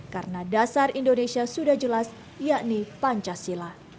karena dasar indonesia sudah jelas yakni pancasila